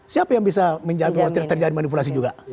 siapa yang bisa terjadi manipulasi juga